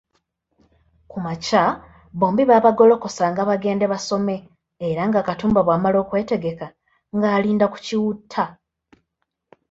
Ku makya bombi baabagolokosanga bagende basome era nga Katumba bw'amala okwetegeka ng’alinda ku Kiwutta